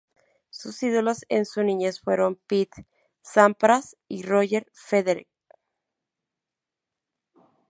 Sus ídolos en su niñez fueron Pete Sampras y Roger Federer.